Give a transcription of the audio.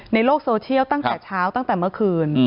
ในโลกโซเชียลตั้งแต่เช้าตั้งแต่เมื่อคืน